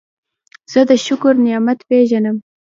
زه د شکر نعمت پېژنم.